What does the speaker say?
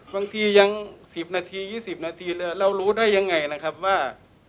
บางทียัง๑๐นาที๒๐นาทีเลยเรารู้ได้ยังไงนะครับว่า